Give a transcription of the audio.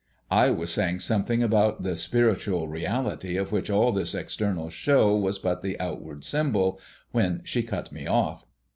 I was saying something about the spiritual reality of which all this external show was but the outward symbol, when she cut me off.